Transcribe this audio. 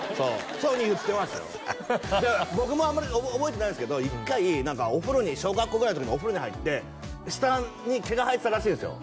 そういうふうに言ってましたよだから僕もあんまり覚えてないんですけど１回お風呂に小学校ぐらいの時お風呂に入って下に毛が生えてたらしいんですよ